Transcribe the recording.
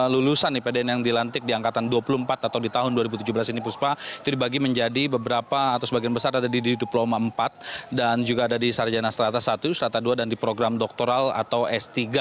lulusan ipdn yang dilantik di angkatan dua puluh empat atau di tahun dua ribu tujuh belas ini puspa itu dibagi menjadi beberapa atau sebagian besar ada di diploma empat dan juga ada di sarjana serata satu serata dua dan di program doktoral atau s tiga